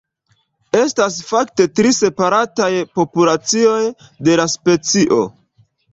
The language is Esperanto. Estas fakte tri separataj populacioj de la specio.